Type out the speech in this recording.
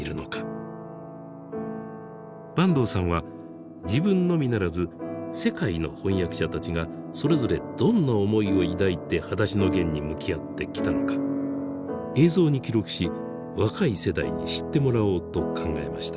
坂東さんは自分のみならず世界の翻訳者たちがそれぞれどんな思いを抱いて「はだしのゲン」に向き合ってきたのか映像に記録し若い世代に知ってもらおうと考えました。